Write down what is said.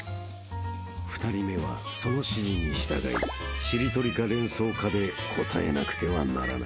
［２人目はその指示に従いしりとりか連想かで答えなくてはならない］